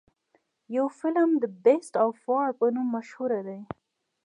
يو فلم The Beast of War په نوم مشهور دے.